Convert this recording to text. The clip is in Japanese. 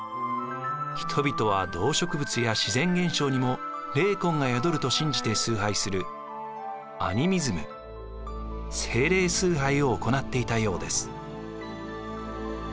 人々は動植物や自然現象にも霊魂が宿ると信じて崇拝するアニミズム精霊崇拝を行っていたようです。